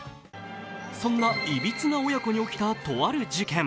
そんな、いびつな親子に起きたとある事件。